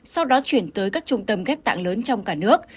sau đó chuyển tới các trung tâm ghép tạng lớn trong cả nước